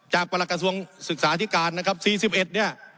จากประกระทรวงศึกษาอธิการนะครับสี่สิบเอ็ดเนี้ย